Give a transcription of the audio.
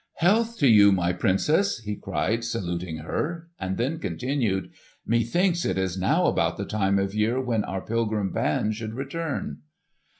"Health to you, my Princess!" he said saluting her, and then continued, "Methinks it is now about the time of year when our pilgrim band should return."